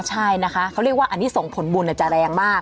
ใช่นะคะเขาเรียกว่าอันนี้ส่งผลบุญจะแรงมาก